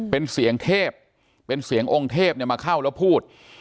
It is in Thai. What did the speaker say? เป็นเสียงเทพเป็นเสียงองค์เทพมาเข้าแล้วพูด